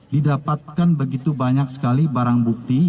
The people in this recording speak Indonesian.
didapatkan begitu banyak sekali barang bukti